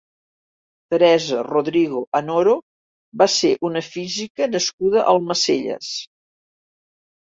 Teresa Rodrigo Anoro va ser una física nascuda a Almacelles.